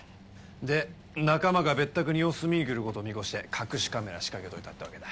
で仲間が別宅に様子見に来る事を見越して隠しカメラ仕掛けといたってわけだ。